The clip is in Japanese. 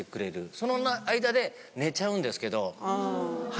その間で寝ちゃうんですけど。